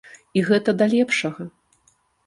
І гэта да лепшага.